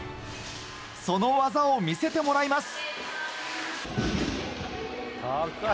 その技を見せてもらいます。